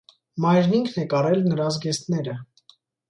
Մայրն ինքն է կարել նրա զգեստները։